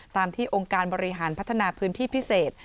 ตามที่องค์การบริหารพัฒนาพื้นที่พิเศษ